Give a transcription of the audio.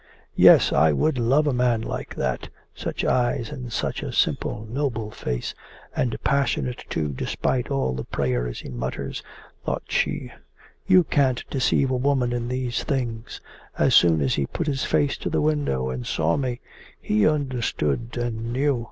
'Yes, I could love a man like that such eyes and such a simple noble face, and passionate too despite all the prayers he mutters!' thought she. 'You can't deceive a woman in these things. As soon as he put his face to the window and saw me, he understood and knew.